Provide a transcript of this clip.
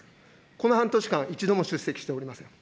この半年間、一度も出席しておりません。